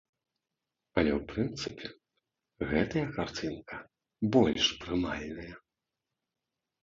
Але ў прынцыпе, гэтая карцінка больш прымальная.